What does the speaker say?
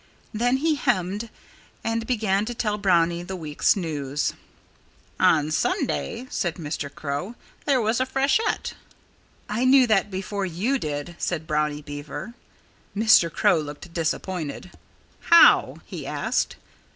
Then he hemmed and began to tell Brownie the week's news. "On Sunday," said Mr. Crow, "there was a freshet." "I knew that before you did," said Brownie Beaver. Mr. Crow looked disappointed. "How?" he asked.